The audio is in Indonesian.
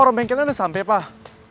rompeng kalian udah sampe pak